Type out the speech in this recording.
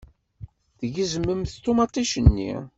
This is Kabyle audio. Tgezmemt ṭumaṭic-nni.